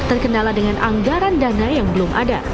terkendala dengan anggaran dana yang belum ada